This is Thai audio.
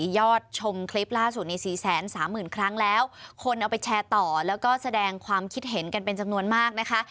ยอดชมคลิปล่าสุดในสี่แสนสามหมื่นครั้งแล้วคนเอาไปแชร์ต่อแล้วก็แสดงความคิดเห็นกันเป็นจำนวนมากนะคะ